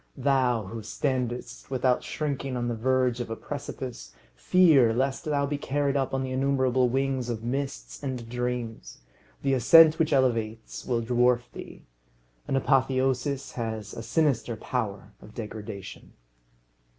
Thou who standest without shrinking on the verge of a precipice, fear lest thou be carried up on the innumerable wings of mists and dreams. The ascent which elevates will dwarf thee. An apotheosis has a sinister power of degradation.